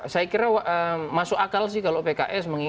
saya kira masuk akal sih kalau pks